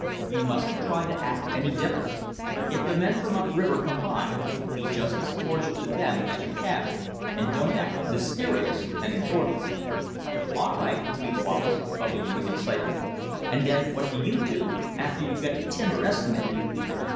"You mustn't try to act any different. If the men from up river come by, be just as cordial to them as you can, and don't act mysterious and important." "All right," agreed Wallace, bubbling with excitement. "And then what do you do after you get the timber estimated?"